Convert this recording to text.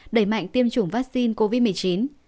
đẩy mạnh tiêm chủng vaccine covid một mươi chín